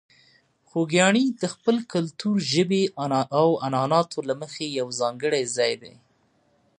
خوږیاڼي د خپل کلتور، ژبې او عنعناتو له مخې یو ځانګړی ځای دی.